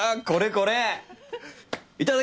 これこれ！